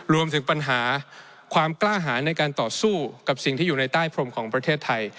รวมถึงปัญหาความกล้าหาในการต่อสู้กับสิ่งที่อยู่ในใต้พรมของประเทศไทย